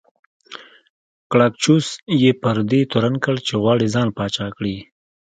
ګراکچوس یې پر دې تورن کړ چې غواړي ځان پاچا کړي